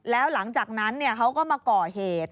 แล้วหลังจากนั้นเขาก็มาก่อเหตุ